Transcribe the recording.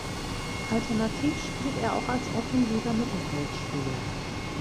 Alternativ spielt er auch als offensiver Mittelfeldspieler.